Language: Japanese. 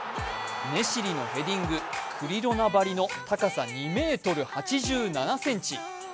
ネシリのヘディング、クリロナばりの高さ２ｍ８７ｃｍ。